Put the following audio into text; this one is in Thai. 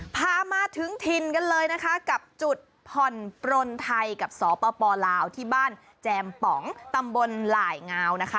พามาถึงถิ่นกันเลยนะคะกับจุดผ่อนปลนไทยกับสปลาวที่บ้านแจมป๋องตำบลหลายงาวนะคะ